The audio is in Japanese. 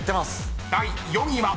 ［第４位は］